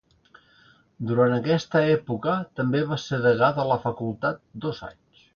Durant aquesta època, també va ser degà de la facultat dos anys.